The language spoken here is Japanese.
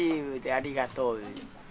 「ありがとう」言う。